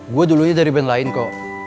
gue dulunya dari band lain kok